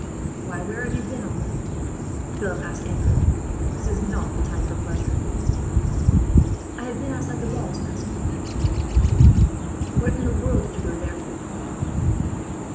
"Why, where have you been all night?" Philip asked angrily. "This is not the time for pleasure." "I have been outside the walls, master," Pierre said. "What in the world did you go there for, Pierre?"